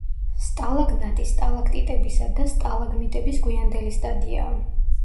სტალაგნატი სტალაქტიტებისა და სტალაგმიტების გვიანდელი სტადიაა.